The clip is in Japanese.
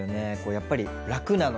やっぱり楽なので。